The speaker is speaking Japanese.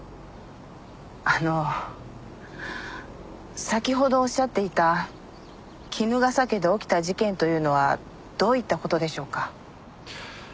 あの先ほどおっしゃっていた衣笠家で起きた事件というのはどういった事でしょうか？